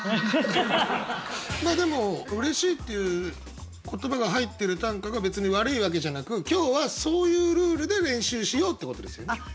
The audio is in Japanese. でも「嬉しい」っていう言葉が入ってる短歌が別に悪いわけじゃなく今日はそういうルールで練習しようってことですよね。